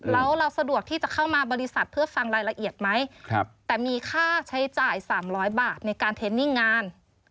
แล้วเราสะดวกที่จะเข้ามาบริษัทเพื่อฟังรายละเอียดไหมแต่มีค่าใช้จ่าย๓๐๐บาทในการเทนนิ่งงาน